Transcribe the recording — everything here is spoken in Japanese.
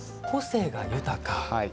個性が豊か？